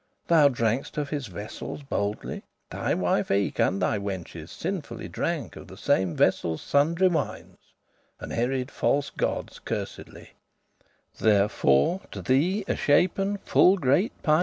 Thou drankest of his vessels boldely; Thy wife eke, and thy wenches, sinfully Drank of the same vessels sundry wines, And heried* false goddes cursedly; *praised Therefore *to thee y shapen full great pine is.